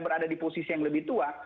berada di posisi yang lebih tua